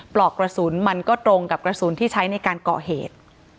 ปลอกกระศูนย์มันก็ตรงกับกระศูนย์ที่ใช้ในการเกาะเหตุ